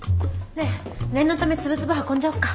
ねえ念のためつぶつぶ運んじゃおうか。